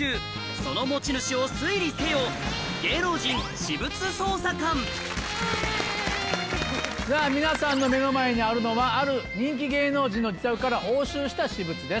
その持ち主を推理せよさぁ皆さんの目の前にあるのはある人気芸能人の自宅から押収した私物です。